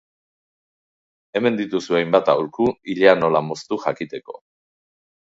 Hemen dituzu hainbat aholku, ilea nola moztu jakiteko.